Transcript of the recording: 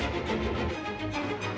kau menggeledah desa untuk memanggil kami